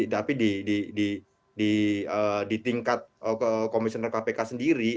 tapi di tingkat komisioner kpk sendiri